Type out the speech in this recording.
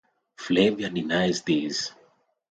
Flavia denies this.